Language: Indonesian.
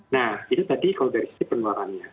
nah itu tadi kalau dari sisi penularannya